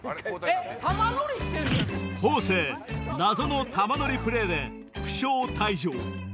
方正謎の玉乗りプレーで負傷退場